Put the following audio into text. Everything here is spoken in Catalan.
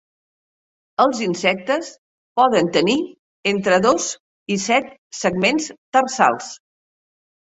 Els insectes poden tenir entre dos i set segments tarsals.